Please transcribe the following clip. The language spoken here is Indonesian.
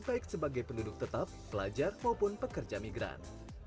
baik sebagai penduduk tetap pelajar maupun pekerja migran